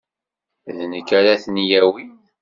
D nekk ara ten-yawin.